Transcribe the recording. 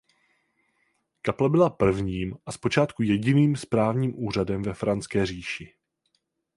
Kaple byla prvním a zpočátku jediným správním úřadem ve Franské říši.